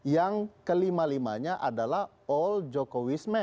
yang kelima limanya adalah all jokowisme